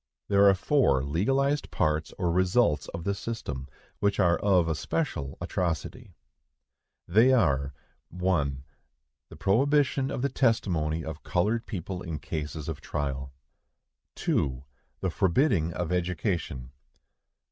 There are four legalized parts or results of the system, which are of especial atrocity. They are,— 1. The prohibition of the testimony of colored people in cases of trial. 2. The forbidding of education.